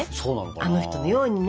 あの人のようにね。